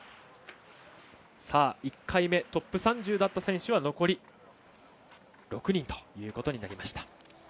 １回目、トップ３０だった選手は残り６人ということになりました。